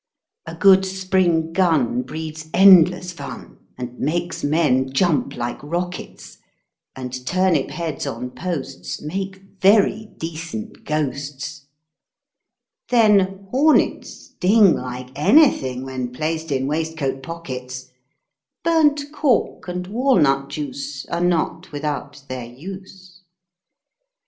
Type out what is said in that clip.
A good spring gun breeds endless fun, and makes men jump like rockets â And turnip heads on posts Make very decent ghosts. Then hornets sting like anything, when placed in waistcoat pockets â Burnt cork and walnut juice Are not without their use.